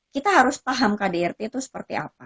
kita harus paham kdrt itu seperti apa